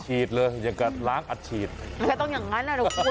อัดฉีดเลยอยากกดล้างอัดฉีดยังไงต้องอย่างนั้นอ่ะนะครับ